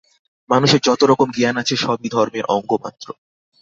মানুষের যত রকম জ্ঞান আছে, সবই ধর্মের অঙ্গমাত্র।